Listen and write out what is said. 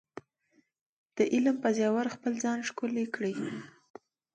د علم په زیور خپل ځان ښکلی کړئ.